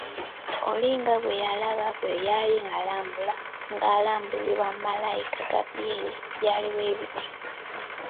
Olinga bye yalaba bwe yali alambula, nga alambuzibwa Malayika Gaabulyeri byali bwe biti